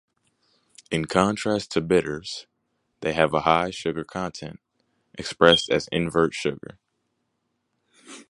In contrast to bitters, they have a higher sugar content, expressed as invert sugar.